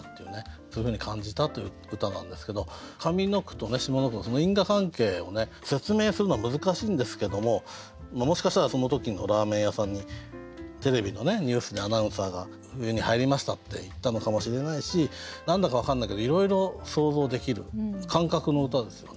そういうふうに感じたという歌なんですけど上の句と下の句のその因果関係を説明するのは難しいんですけどももしかしたらその時のラーメン屋さんにテレビのニュースでアナウンサーが「冬に入りました」って言ったのかもしれないし何だか分かんないけどいろいろ想像できる感覚の歌ですよね。